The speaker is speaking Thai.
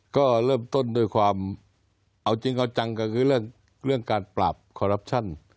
ก็เริ่มต้นด้วยความเอาจริงเอาจังก็คือเรื่องการปราบคอรัปชั่น